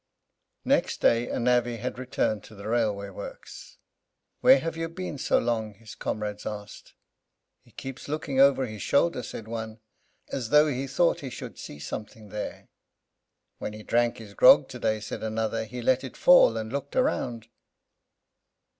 Next day a navvy had returned to the railway works. "Where have you been so long?" his comrades asked. "He keeps looking over his shoulder," said one, "as though he thought he should see something there." "When he drank his grog today," said another, "he let it fall, and looked round."